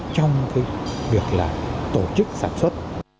trong việc tổ chức sản xuất